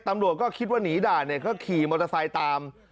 ตำรวจก็คิดว่าหนีด่านเนี่ยก็ขี่มอเตอร์ไซค์ตาม